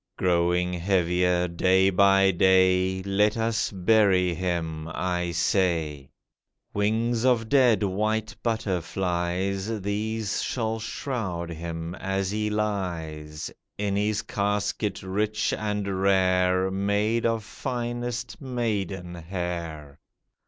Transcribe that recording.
Growing heavier, day by day, Let us bury him, I say. Wings of dead white butterflies, These shall shroud him, as he lies In his casket rich and rare, Made of finest maiden hair.